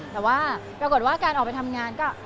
แต่ว่าปรากฏว่าการออกไปทำงานก็